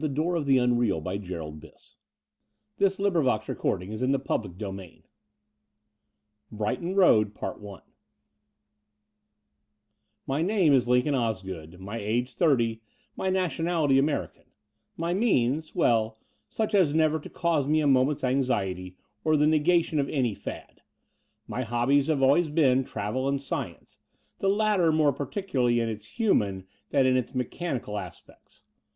209 ^ The Brighton Road 9 The Door of the Unreal I THE BRIGHTON ROAD My name is Lincoln Osgood, my age thirty, my nationality American, my means — well, such as never to cause me a moment's anxiety or the negation of any fad; my hobbies have always been travel and science, the latter more particu larly in its htunan than in its mechanical aspects.